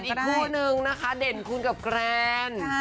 มากันอีกคู่หนึ่งนะคะเด่นคุณกับแกรน